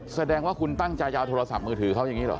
แสดงว่าคุณตั้งใจจะเอาโทรศัพท์มือถือเขาอย่างนี้เหรอ